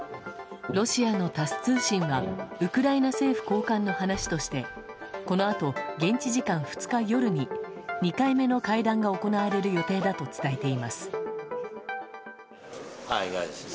ロシアのタス通信はウクライナ政府高官の話としてこのあと、現地時間２日夜に２回目の会談が行われる予定だと伝えています。